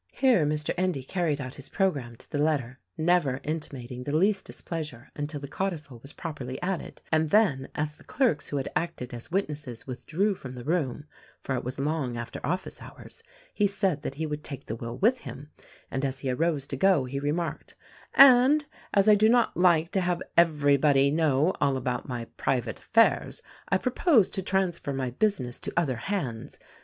Here Mr. Endy carried out his programme to the let ter, never intimating the least displeasure until the codicil was properly added, and then, as the clerks who had acted as witnesses withdrew from the room — for it was long after office hours — he said that he would take the will with him, and as he arose to go he remarked, "And, as I do not like to have everybody know all about my private affairs, I propose to transfer my business to other hands.